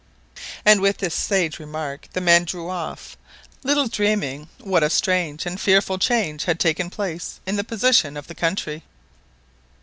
And with this sage remark the men drew off, little dreaming what a strange and fearful change had taken place in the position of the country.